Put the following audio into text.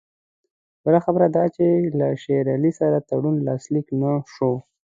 بله خبره دا ده چې له شېر علي سره تړون لاسلیک نه شو.